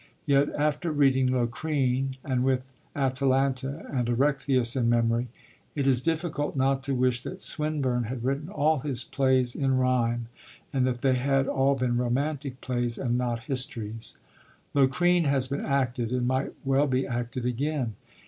Yet, after reading Locrine, and with Atalanta and Erechtheus in memory, it is difficult not to wish that Swinburne had written all his plays in rhyme, and that they had all been romantic plays and not histories. Locrine has been acted, and might well be acted again.